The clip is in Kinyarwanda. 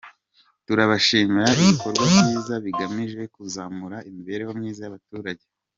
Turabashimira ibikorwa byiza bigamije kuzamura imibereho myiza y’abaturage".